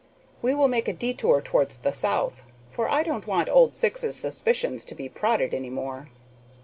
We will make a detour towards the south, for I don't want old Syx's suspicions to be prodded any more."